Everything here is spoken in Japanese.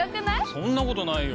そんなことないよ。